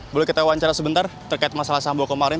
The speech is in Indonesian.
boleh kita wawancara sebentar terkait masalah sambo kemarin